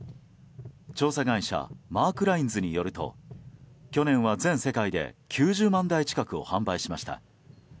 調査会社マークラインズによると去年は全世界で９０万台近くを販売しました。